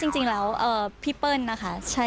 จริงแล้วพี่เปิ้ลนะคะ